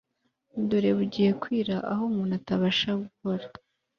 dore bugiye kwira aho umuntu atabasha gukora